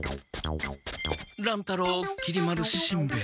乱太郎きり丸しんべヱ。